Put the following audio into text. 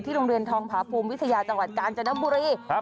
โรงเรียนทองผาภูมิวิทยาจังหวัดกาญจนบุรีครับ